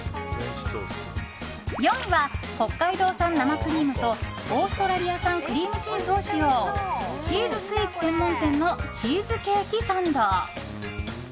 ４位は、北海道産生クリームとオーストラリア産クリームチーズを使用チーズスイーツ専門店のチーズケーキサンド。